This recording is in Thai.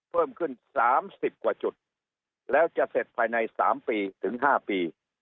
เพิ่มขึ้น๓๐กว่าจุดแล้วจะเสร็จภายใน๓ปีถึง๕ปี